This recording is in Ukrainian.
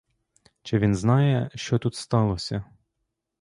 Чи він знає, що тут сталося?